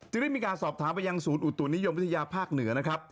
ได้มีการสอบถามไปยังศูนย์อุตุนิยมวิทยาภาคเหนือนะครับ